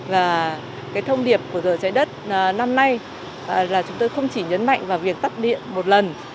và cái thông điệp của rửa trái đất năm nay là chúng tôi không chỉ nhấn mạnh vào việc tắt điện một lần